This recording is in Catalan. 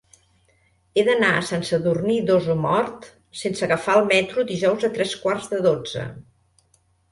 He d'anar a Sant Sadurní d'Osormort sense agafar el metro dijous a tres quarts de dotze.